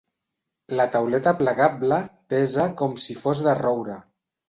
La tauleta plegable pesa com si fos de roure.